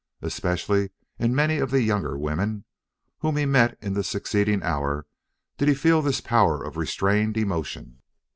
Especially in many of the younger women, whom he met in the succeeding hour, did he feel this power of restrained emotion.